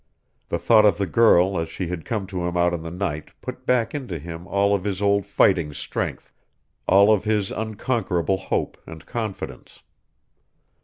The thought of the girl as she had come to him out in the night put back into him all of his old fighting strength, all of his unconquerable hope and confidence.